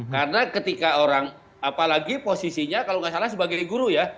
karena ketika orang apalagi posisinya kalau gak salah sebagai guru ya